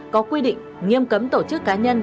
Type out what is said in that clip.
có quy định nghiêm cấm tổ chức cá nhân